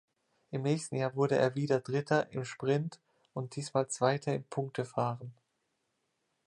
Im nächsten Jahr wurde er wieder Dritter im Sprint und diesmal Zweiter im Punktefahren.